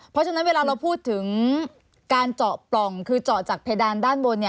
เพราะฉะนั้นเวลาเราพูดถึงการเจาะปล่องคือเจาะจากเพดานด้านบน